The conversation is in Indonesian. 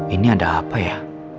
ini ada apa ya